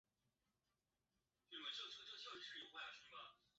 彼得曼冰川是格陵兰岛上的一个冰川。